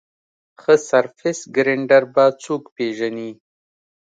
ښه سرفېس ګرېنډر به څوک پېژني ؟